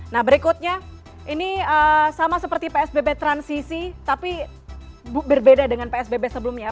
nah berikutnya ini sama seperti psbb transisi tapi berbeda dengan psbb sebelumnya